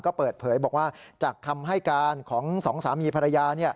ก็เปิดเผยบอกว่าจากคำให้การของสองสามีภรรยา